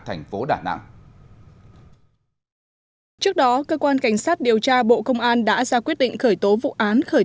thành phố đà nẵng trước đó cơ quan cảnh sát điều tra bộ công an đã ra quyết định khởi tố vụ án khởi